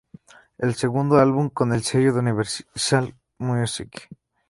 Es el segundo álbum con el sello de Universal Music.